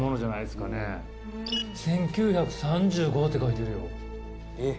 「１９３５」って書いてるよ。